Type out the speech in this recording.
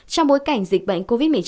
trong bối cảnh dịch bệnh covid một mươi chín